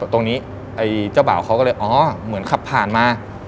ไอ้เจ้าบ่าวเขาก็เลยอ๋อเหมือนขับผ่านมา